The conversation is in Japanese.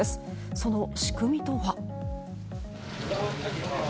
その仕組みとは。